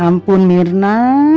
ya ampun mirna